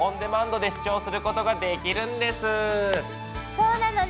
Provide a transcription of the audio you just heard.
そうなのね。